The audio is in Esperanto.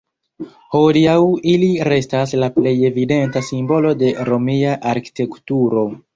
Hodiaŭ ili restas "la plej evidenta simbolo de romia arkitekturo".